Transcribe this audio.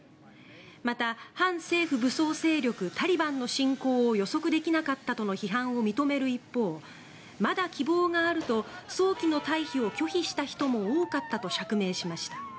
また、反政府武装勢力タリバンの進攻を予測できなかったとの批判を認める一方まだ希望があると早期の退避を拒否した人も多かったと釈明しました。